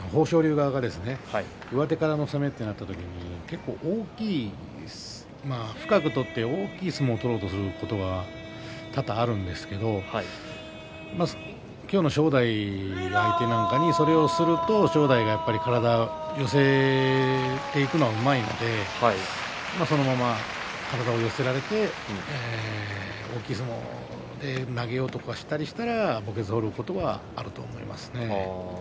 上手からの攻めとなった時に豊昇龍が結構、深く取って大きい相撲を取ろうとすることが多々あるんですけど今日の正代相手なんかにそれをすると正代が体を寄せていくのがうまいのでそのまま体を寄せられて大きい相撲で投げようとしたりしたら墓穴を掘ることがあると思います。